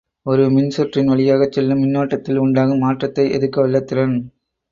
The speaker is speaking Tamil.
ஒரு மின்சுற்றின் வழியாகச் செல்லும் மின்னோட்டத்தில் உண்டாகும் மாற்றத்தை எதிர்க்கவல்ல திறன்.